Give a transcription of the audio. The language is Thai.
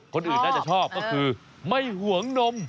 คนอื่นน่าจะชอบก็คือไม่ห่วงนม